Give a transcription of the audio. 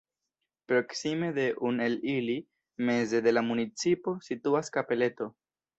Proksime de un el ili, meze de la municipo, situas kapeleto.